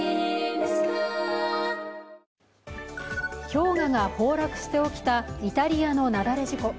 氷河が崩落して起きたイタリアの雪崩事故。